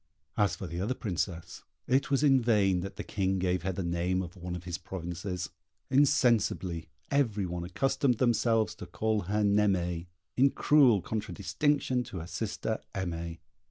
As for the other Princess, it was in vain that the King gave her the name of one of his provinces; insensibly every one accustomed themselves to call her Naimée, in cruel contradistinction to her sister Aimée.